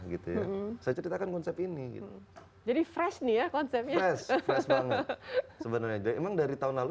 gitu ya saya ceritakan konsep ini jadi fresh nih ya konsepnya fresh banget sebenarnya emang dari tahun lalu